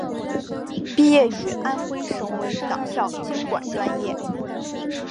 毕业于安徽省委党校经管专业。